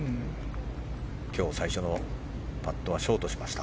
今日、最初のパットはショットしました。